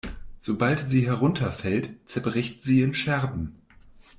Sobald sie herunterfällt, zerbricht sie in Scherben.